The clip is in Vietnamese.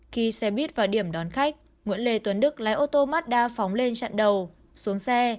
khi xe buýt vào điểm đón khách nguyễn lê tuấn đức lái ô tô mazda phóng lên chặn đầu xuống xe